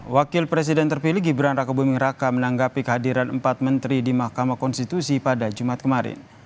wakil presiden terpilih gibran raka buming raka menanggapi kehadiran empat menteri di mahkamah konstitusi pada jumat kemarin